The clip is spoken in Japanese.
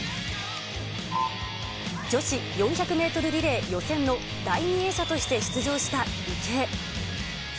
女子４００メートルリレー予選の第２泳者として出場した池江。